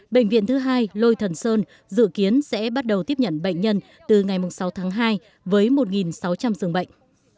bệnh viện thứ hai lôi thần sơn dự kiến sẽ bắt đầu tiếp nhận bệnh nhân từ ngày sáu tháng hai với một sáu trăm linh dường bệnh